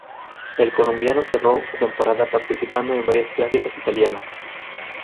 El colombiano cerró su temporada participando en varias clásicas italianas.